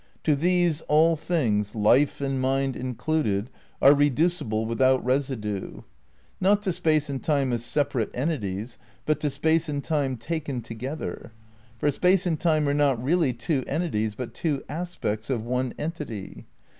To these all things, life and mind included, are re ducible "without residue." Not to Space and Time as separate entities, but to Space and Time taken together. For Space and Time are not really two entities, but two aspects of one entity.